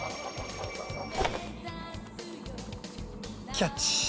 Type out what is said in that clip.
キャッチ。